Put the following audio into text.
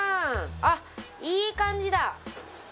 あっいい感じだ！